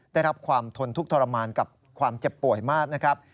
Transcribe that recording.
ได้รับความทนทุกข์ทรมานกับความเจ็บป่วยมากนะครับ